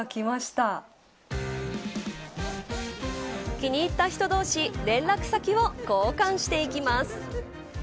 気に入った人同士連絡先を交換していきます。